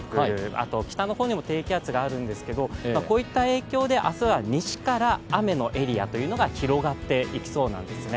あと、北の方にも低気圧があるんですけれども、こういった影響で明日は西から雨のエリアが広がっていきそうなんですね。